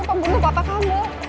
pembunuh papa kamu